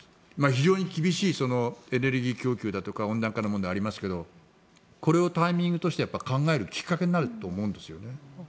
非常に厳しいエネルギー供給だとか温暖化の問題がありますがこれをタイミングとして考えるきっかけになると思うんです。